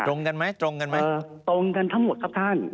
ตรงกันไหมตรงกันทั้งหมดครับท่าน